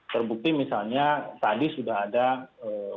terbukti misalnya tadi sudah ada